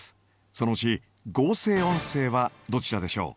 そのうち合成音声はどちらでしょう？